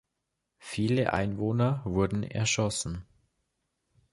Viele Einwohner wurden erschossen.